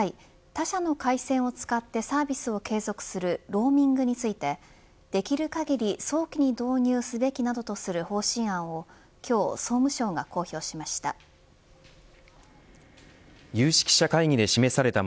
他社の回線を使ってサービスを継続するローミングについてできる限り早期に導入すべきなどとする方針案を今日総務省が公表しました。